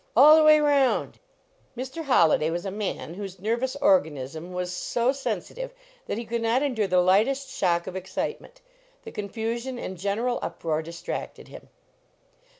"All the way round ! Mr. Holliday was a man whose nervous organism was so sensitive that he could not endure the lightest shock of excitement. The confusion and general uproar distracted him.